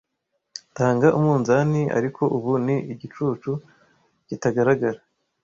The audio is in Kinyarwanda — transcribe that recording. Tanga umunzani ariko ubu ni igicucu, kitagaragara,